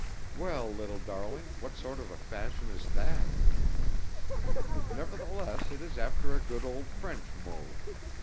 "Well, little darling, what sort of a fashion is that?" "Nevertheless it is after a good old French mode.